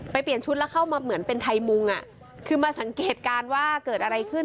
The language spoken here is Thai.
เปลี่ยนชุดแล้วเข้ามาเหมือนเป็นไทยมุงอ่ะคือมาสังเกตการณ์ว่าเกิดอะไรขึ้น